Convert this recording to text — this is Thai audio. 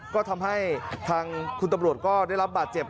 ก็ทำให้ทางคุณตำรวจก็ได้รับบาดเจ็บ